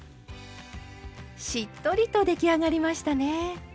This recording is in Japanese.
しっとりと出来上がりましたね。